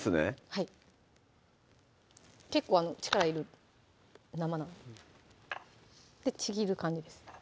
はい結構力いる生なんでちぎる感じです